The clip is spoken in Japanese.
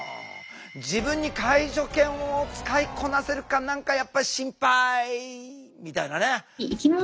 自分に介助犬を使いこなせるか何かやっぱりしんぱいみたいなね。